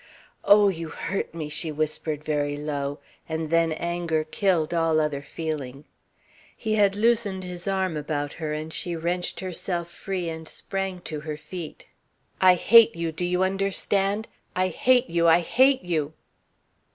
"Oh, you hurt me!" she whispered very low, and then anger killed all other feeling. He had loosened his arm about her and she wrenched herself free and sprang to her feet. "I hate you, do you understand? I hate you! I hate you!"